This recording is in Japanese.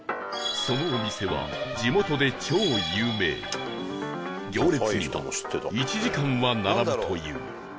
そのお店は地元で超有名行列には１時間は並ぶという